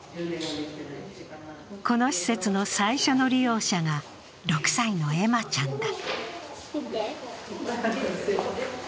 この施設の最初の利用者が６歳の恵麻ちゃんだ。